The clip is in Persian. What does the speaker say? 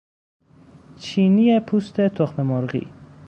چینی پوست تخم مرغی